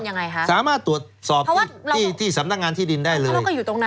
ได้ครับสามารถตรวจสอบที่สำนักงานที่ดินได้เลย